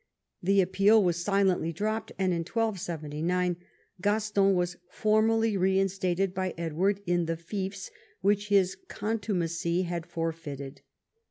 The appeal was silently dropped, and in 1279 Gaston was formally reinstated by Edward in the fiefs which his contumacy had forfeited.